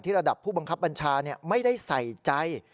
ระดับผู้บังคับบัญชาไม่ได้ใส่ใจ